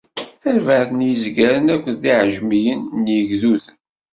Tarbaɛt n yizgaren akked yiɛejmiyen n yigduden.